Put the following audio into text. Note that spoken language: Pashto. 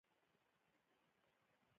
زه د کورنۍ خدمت ته چمتو یم.